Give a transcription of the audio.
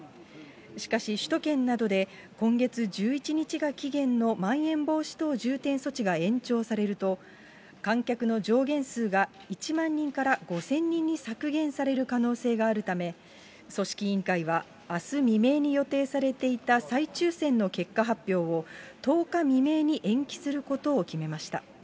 しかし首都圏などで、今月１１日が期限のまん延防止等重点措置が延長されると、観客の上限数が１万人から５０００人に削減される可能性があるため、組織委員会は、あす未明に予定されていた再抽せんの結果発表を、１０日未明に延期することを決めました。